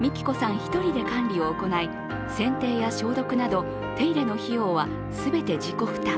一人で管理を行い、せんていや消毒など手入れの費用は全て自己負担。